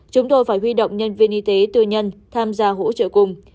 chúng tôi phải huy động nhân viên y tế tư nhân tham gia hỗ trợ cùng